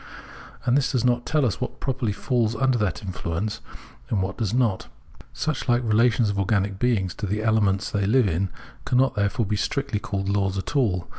And this does not tell us what properly falls under that influence and what does not. Such like relations of organic beings to the ele ments they live in cannot therefore be strictly called laws at all.